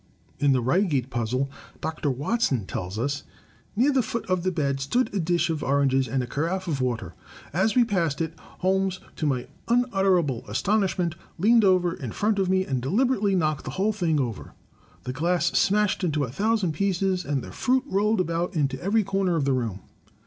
In "The Reigate Puzzle," Dr. Watson tells us: "Near the foot of the bed stood a dish of oranges and a carafe of water. As we passed it. Holmes, to my unutterable astonishment, leaned over in front of me and deliberately knocked the whole thing over. The glass smashed into a thousand pieces and the fruit rolled about into every comer of the room.